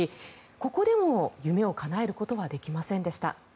ここでも夢をかなえることはできませんでした。